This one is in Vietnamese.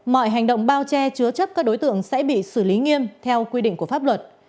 mọi hành động bao che chứa chấp các đối tượng sẽ bị xử lý nghiêm theo quy định của pháp luật